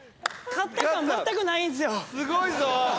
すごいぞ！